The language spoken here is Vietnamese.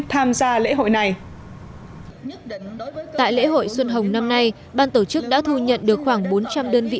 tham gia lễ hội này tại lễ hội xuân hồng năm nay ban tổ chức đã thu nhận được khoảng bốn trăm linh đơn vị